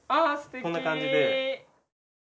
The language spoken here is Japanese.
こんな感じで。